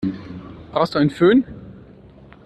Brauchst du einen Fön?